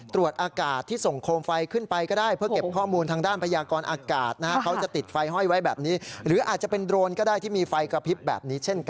ก็ได้ที่มีไฟกระพริบแบบนี้เช่นกันนะครับ